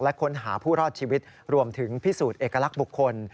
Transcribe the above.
และค้นหาผู้รอดชีวิตรวมถึงพิสูจน์เอกลักษณ์บุคคล